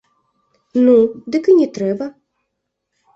Ну, дык і не трэба.